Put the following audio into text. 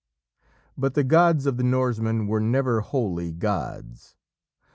But the gods of the Norsemen were never wholly gods.